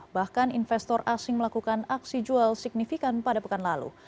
bahkan investor asing melakukan aksi jual signifikan pada pekan lalu